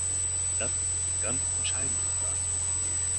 Das sind ganz entscheidende Fragen.